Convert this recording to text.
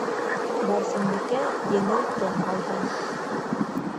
Барсынбикә еңел тын алды.